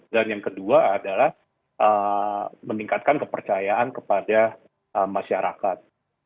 yang kedua adalah meningkatkan kepercayaan kepada masyarakat